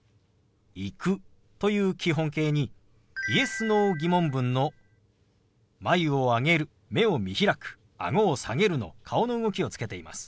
「行く」という基本形にＹｅｓ−Ｎｏ疑問文の眉を上げる目を見開くあごを下げるの顔の動きをつけています。